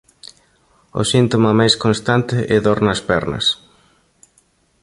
O síntoma máis constante é dor nas pernas.